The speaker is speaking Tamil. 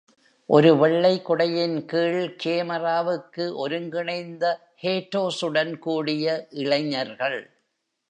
ஒரு வெள்ளை குடையின் கீழ் கேமராவுக்கு ஒருங்கிணைந்த ஹேர்டோஸுடன் கூடிய இளைஞர்கள்.